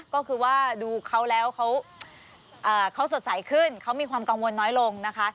ก็คือว่าดูเขาแล้วเขาสดใสขึ้นเขามีความกังวลน้อยลงนะคะ